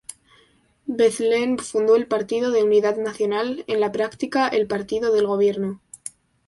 Bethlen fundó el Partido de Unidad Nacional, en la práctica el partido del Gobierno.